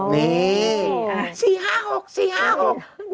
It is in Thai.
อ๋อนี่สี่ห้าหกสี่ห้าหกโคตรเยี่ยมนะครับ